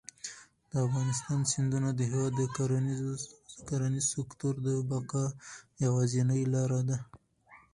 د افغانستان سیندونه د هېواد د کرنیز سکتور د بقا یوازینۍ لاره ده.